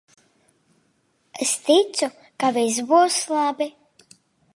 Es ticu, ka viss būs labi!